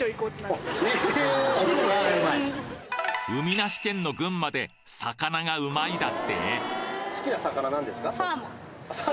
海なし県の群馬で魚がうまいだって？